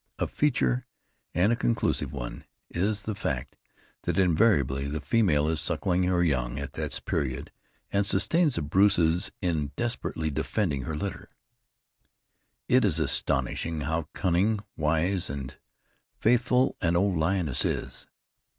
A feature, and a conclusive one, is the fact that invariably the female is suckling her young at this period, and sustains the bruises in desperately defending her litter. It is astonishing how cunning, wise and faithful an old lioness is.